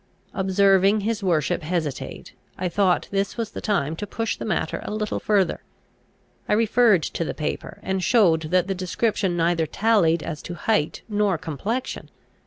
Observing his worship hesitate, I thought this was the time to push the matter a little further. I referred to the paper, and showed that the description neither tallied as to height nor complexion.